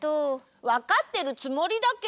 わかってるつもりだけど。